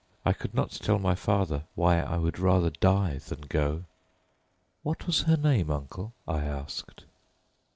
I could not tell my father why I would rather had died than go." "What was her name, uncle?" I asked.